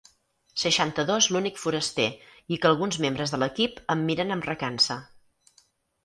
Seixanta-dos l'únic foraster i que alguns membres de l'equip em miren amb recança.